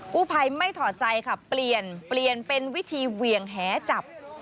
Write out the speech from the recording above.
กู้ภัยไม่ถอดใจค่ะเปลี่ยนเป็นวิธีเวียงแห่จับ